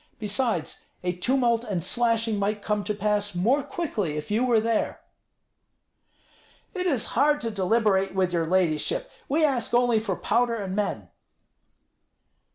Besides, a tumult and slashing might come to pass more quickly if you were there." "It is hard to deliberate with your ladyship. We ask only for powder and men."